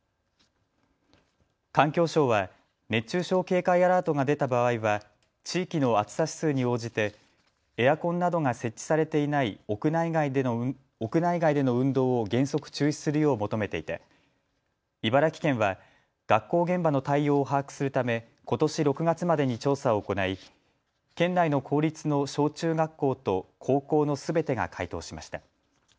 環境省は熱中症警戒アラートが出た場合は地域の暑さ指数に応じてエアコンなどが設置されていない屋内外での運動を原則、中止するよう求めていて茨城県は学校現場の対応を把握するため、ことし６月までに調査を行い県内の公立の小中学校と高校のすべてが回答しました。